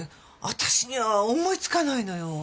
私には思いつかないのよ。